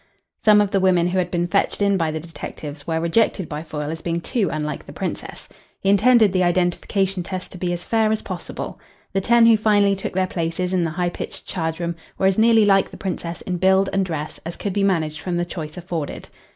Some of the women who had been fetched in by the detectives were rejected by Foyle as being too unlike the Princess. He intended the identification test to be as fair as possible. The ten who finally took their places in the high pitched charge room were as nearly like the Princess in build and dress as could be managed from the choice afforded.